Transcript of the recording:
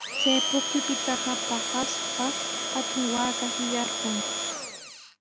Chay pukyupitaqa paqaspa hatun waakashi yarqun.